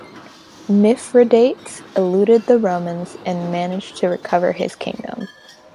Mithridates eluded the Romans and managed to recover his kingdom.